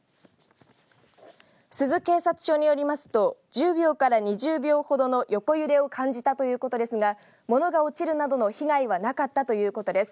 珠洲警察署によりますと１０秒から２０秒ほどの横揺れを感じたということですが物が落ちるなどの被害はなかったということです。